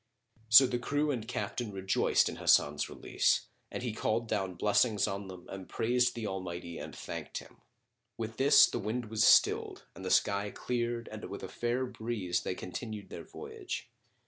So the crew and captain rejoiced in Hasan's release, and he called down blessings on them and praised the Almighty and thanked Him. With this the wind was stilled and the sky cleared and with a fair breeze they continued their voyage.